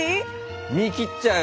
身切っちゃうよ